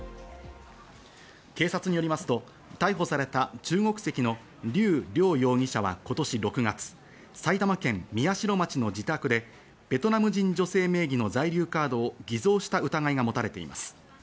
警察によりますと、逮捕された中国籍のリュウ・リョウ容疑者は今年６月、埼玉県宮代町の自宅でベトナム人女性名義の在留カードを偽造した疑いが持たれています。